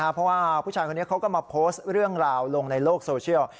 เพราะว่าผู้ชายคนนี้เขาก็มาโพสต์เรื่องราวลงในโลกโซเชียล